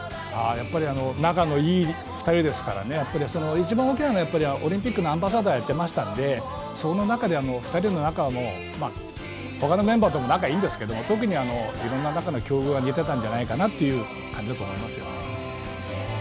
仲の良い２人ですから、一番大きいのはオリンピックのアンバサダーをやってましたのでその中で２人の仲、他のメンバーとも仲がいいんですけど、いろいろな境遇が似ていたんじゃないかなという感じだと思いますね。